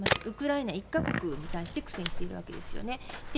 ウクライナ１か国に対して苦戦しているわけですよね。